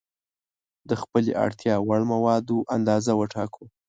د خپلې اړتیا وړ موادو اندازه وټاکو.